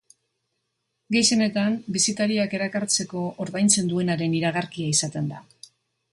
Gehienetan bisitariak erakartzeko ordaintzen duenaren iragarkia izaten da.